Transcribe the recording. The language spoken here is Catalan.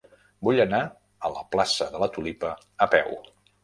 Vull anar a la plaça de la Tulipa a peu.